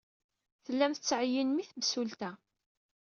Tellam tettɛeyyinem i temsulta.